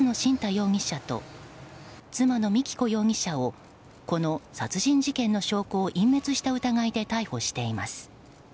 容疑者と妻のみき子容疑者をこの殺人事件の証拠を隠滅した疑いで逮捕しています。